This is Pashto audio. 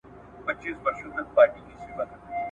د کښتۍ په منځ کي جوړه خوشالي سوه ..